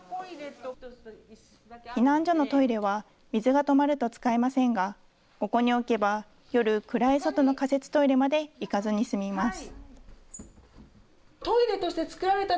避難所のトイレは水が止まると使えませんが、ここに置けば、夜、暗い外の仮設トイレまで行かずに済みます。